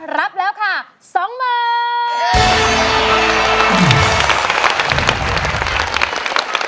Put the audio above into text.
รับแล้วค่ะ๒มือ